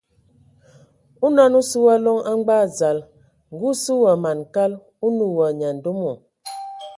Onɔn o sɔ wa loŋ a ngbag dzal, ngə o sə wa man kal, o nə wa nyandomo.